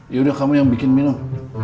yaudah kamu yang bikin minum